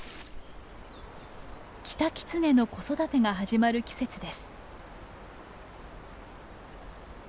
キタキツネの子育てが始まる季節です。